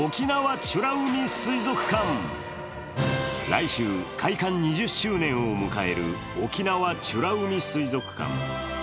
来週、開館２０周年を迎える沖縄美ら海水族館。